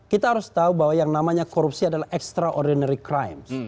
kita harus tahu bahwa yang namanya korupsi adalah extraordinary crimes